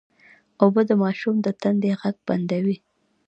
اوبه د ماشوم د تندې غږ بندوي